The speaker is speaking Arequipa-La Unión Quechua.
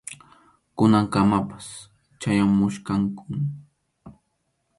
Kunankamapas chayamuchkankum.